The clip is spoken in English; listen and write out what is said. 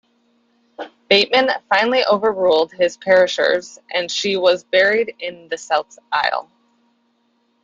Bateman, finally over-ruled his parishioners and she was buried in the south aisle.